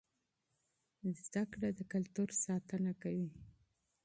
تعلیم د کلتور ساتنه کوي.